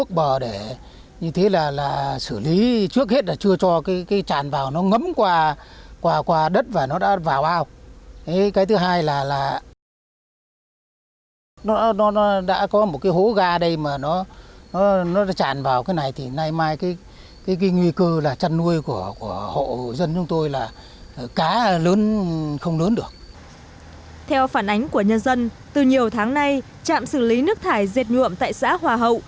khu vực xung quanh trạm xử lý nước thải làng nghề dệt nhuộm xã hòa hậu